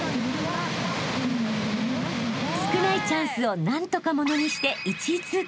［少ないチャンスを何とかものにして１位通過］